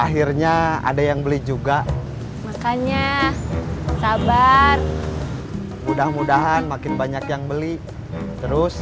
akhirnya ada yang beli juga makannya sabar mudah mudahan makin banyak yang beli terus